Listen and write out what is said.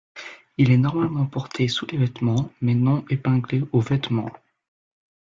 Il est normalement porté sous les vêtements, mais non épinglé aux vêtements.